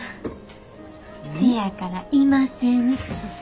せやからいません。